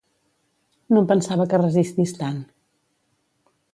No em pensava que resistís tant.